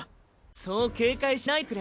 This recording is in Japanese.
そう警戒しないでくれ。